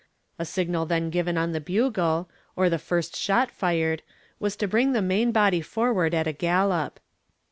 A signal then given on the bugle, or the first shot fired, was to bring the main body forward at a gallop.